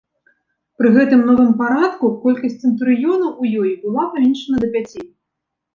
Пры гэтым новым парадку колькасць цэнтурыёнаў у ёй была паменшана да пяці.